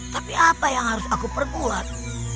tapi apa yang harus aku perbuat